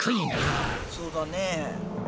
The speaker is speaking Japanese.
そうだね。